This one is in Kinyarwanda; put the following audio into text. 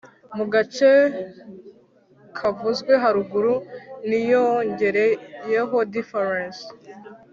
mugace kavuzwe haruguru hiyongereyeho difference